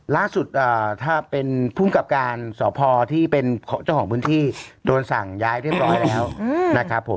ล่าสุดถ้าเป็นภูมิกับการสพที่เป็นเจ้าของพื้นที่โดนสั่งย้ายเรียบร้อยแล้วนะครับผม